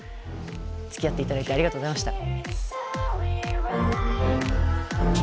つきあって頂いてありがとうございました。